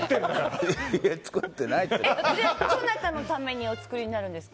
どなたのためにお作りになるんですか？